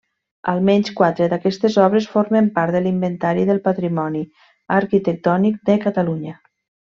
Almenys quatre d'aquestes obres formen part de l'Inventari del Patrimoni Arquitectònic de Catalunya.